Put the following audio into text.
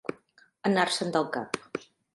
Anar-se'n del cap.